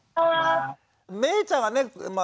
めいちゃんはね